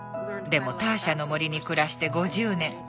でもターシャの森に暮らして５０年。